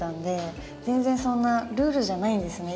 全然そんなルールじゃないんですね。